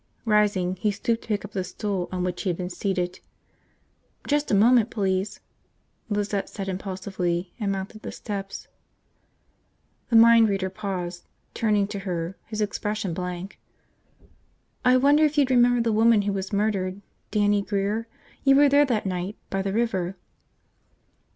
Rising, he stooped to pick up the stool on which he had been seated. "Just a moment, please," Lizette said impulsively, and mounted the steps. The mind reader paused, turning to her, his expression blank. "I wonder if you'd remember the woman who was murdered? Dannie Grear? You were there that night, by the river."